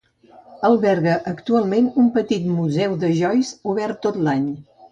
Alberga actualment un petit museu de Joyce, obert tot l'any.